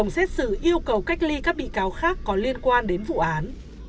xét xử yêu cầu cách ly các bị cáo khác có liên quan đến vụ án